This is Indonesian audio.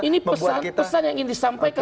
ini pesan pesan yang ingin disampaikan